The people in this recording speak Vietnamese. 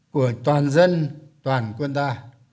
của toàn dân toàn quân ta